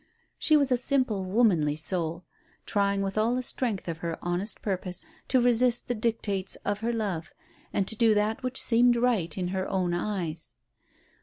She was a simple, womanly soul, trying with all the strength of her honest purpose to resist the dictates of her love, and to do that which seemed right in her own eyes.